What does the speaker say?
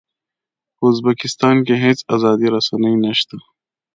په ازبکستان کې هېڅ ازادې رسنۍ نه شته.